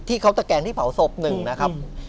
ที่เขาตะแกงที่เผาศพหนึ่งนะครับ